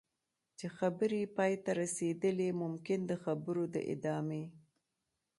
چې خبرې یې پای ته رسېدلي ممکن د خبرو د ادامې.